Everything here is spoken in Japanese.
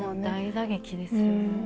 大打撃ですよね。